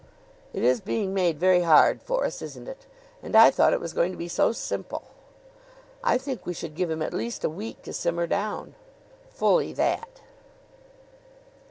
"It is being made very hard for us, isn't it? And I thought it was going to be so simple." "I think we should give him at least a week to simmer down." "Fully that."